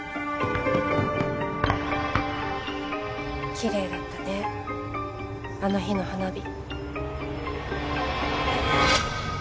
きれいだったねあの日の花火。